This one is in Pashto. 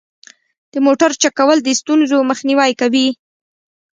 د موټرو چک کول د ستونزو مخنیوی کوي.